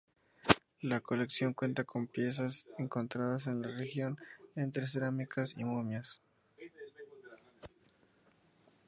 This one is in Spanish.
La colección cuenta con piezas encontradas en la región, entre cerámicas y momias.